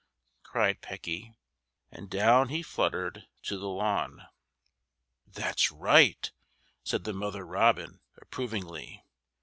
cried Pecky, and down he fluttered to the lawn. "That's right!" said the mother robin, approvingly.